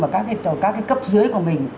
và các cái cấp dưới của mình